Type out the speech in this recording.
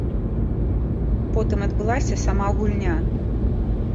Потым адбылася сама гульня.